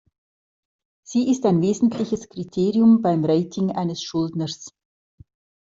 Sie ist ein wesentliches Kriterium beim Rating eines Schuldners.